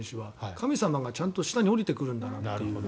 神様がちゃんと下に降りてくるんだなっていう。